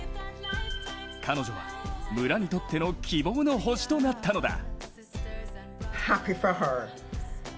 彼女は、村にとっての希望の星となったのだ。